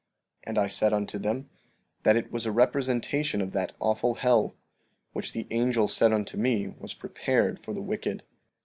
15:29 And I said unto them that it was a representation of that awful hell, which the angel said unto me was prepared for the wicked.